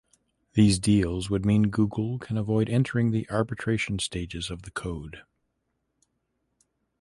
These deals would mean Google can avoid entering the arbitration stages of the code.